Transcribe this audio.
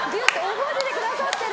覚えててくださってる！